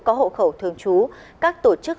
có hộ khẩu thường trú các tổ chức